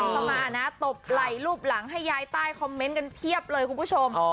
เข้ามานะตบไหล่รูปหลังให้ยายใต้คอมเมนต์กันเพียบเลยคุณผู้ชม